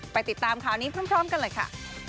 ติดตามข่าวนี้พร้อมกันเลยค่ะ